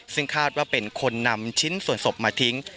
ซึ่งคาดว่าเป็นคนนำชิ้นส่วนศพมาทิ้ง